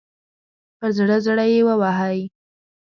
پر زړه، زړه مې ووهئ